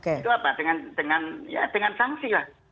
itu apa dengan ya dengan sanksi lah